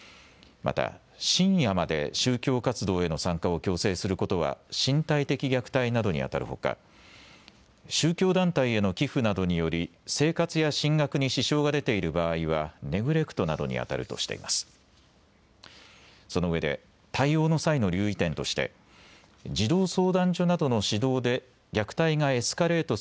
また深夜まで宗教活動への参加を強制することは身体的虐待などにあたるほか、宗教団体への寄付などにより生活や進学に支障が出ている場合はネグレクトなどにあたるとしています。